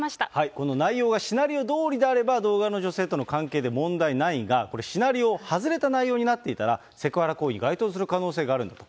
この内容がシナリオどおりであれば、動画の女性との関係で問題ないが、これはシナリオが外れた内容になっていたら、セクハラ行為に該当する可能性があるんだと。